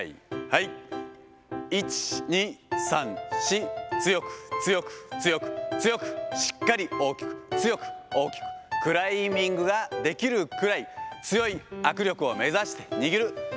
はい、１、２、３、４、強く、強く、強く、強く、しっかり大きく、強く大きく、クライミングができるくらい強い握力を目指して、握る。